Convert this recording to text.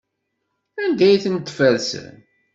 Anda ay ten-tfersem?